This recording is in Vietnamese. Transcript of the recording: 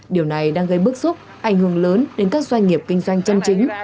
điều này đang gây bức xúc ảnh hưởng lớn đến các doanh nghiệp kinh doanh chân chính